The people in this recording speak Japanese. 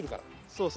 そう。